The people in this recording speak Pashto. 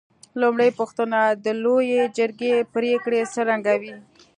لومړۍ پوښتنه: د لویې جرګې پرېکړې څرنګه وې؟